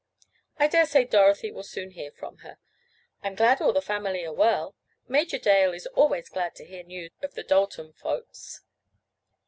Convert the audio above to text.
I dare say Dorothy will soon hear from her. I'm glad all the family are well. Major Dale is always glad to hear news of the Dalton folks."